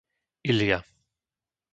Iľja